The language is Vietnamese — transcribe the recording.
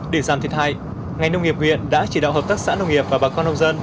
để giảm thiệt hại ngành nông nghiệp huyện đã chỉ đạo hợp tác xã nông nghiệp và bà con nông dân